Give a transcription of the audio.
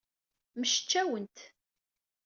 Mmectcawent.